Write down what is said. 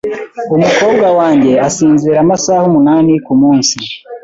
Umukobwa wanjye asinzira amasaha umunani kumunsi.